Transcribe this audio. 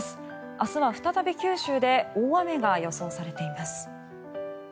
明日は再び九州で大雨が予想されています。